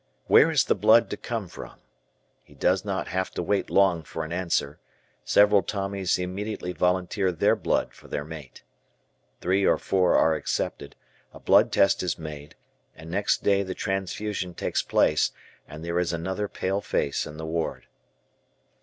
Where is the blood to come from? He does not have to wait long for an answer, several Tommies immediately volunteer their blood for their mate. Three or four are accepted; a blood test is made, and next day the transfusion takes place and there is another pale face in the ward.